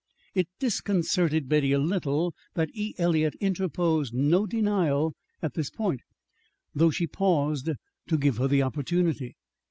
It disconcerted Betty a little that E. Eliot interposed no denial at this point, though she'd paused to give her the opportunity.